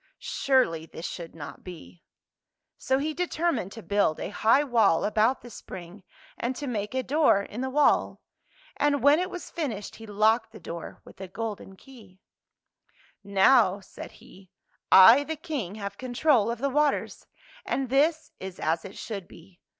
Surely this should not be !" So he determined to build a high wall about the spring, and to make a door in the wall. And when it was finished he locked the door with a golden key. [ 184 ] THE SPRING IN THE VALLEY " Now," said he, " I, the King, have con trol of the waters, and this is as it should be.